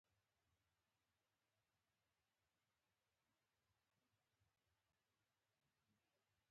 د اوبو او بریښنا شبکو لپاره حفاظتي پوټکی جوړیږي.